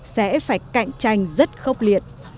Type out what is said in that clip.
sẽ phải cạnh tranh rất khốc liệt